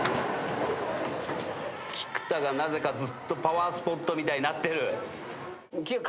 菊田がなぜかずっとパワースポットみたいになってる。